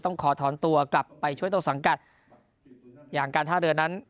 ขอถอนตัวกลับไปช่วยต้นสังกัดอย่างการท่าเรือนั้น